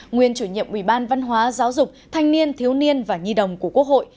nguyên chủ nhiệm ủy ban văn hóa giáo dục thanh niên thiếu niên và nhi đồng của quốc hội